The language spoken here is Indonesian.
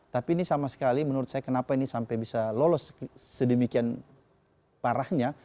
tapi ini sama sekali menurut saya kenapa ini sampai bisa lolos sedemikian parahnya